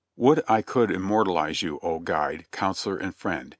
Would I could immortalize you, O guide, counsellor and friend